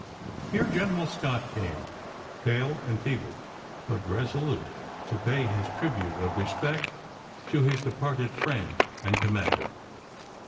Here G eneral Scott came, pale and feeble, but resolute, to pay his tribute of respect to his departed friend and commander.